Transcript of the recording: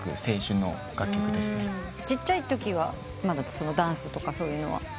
ちっちゃいときはダンスとかそういうのは？